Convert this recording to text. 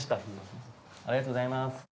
ありがとうございます。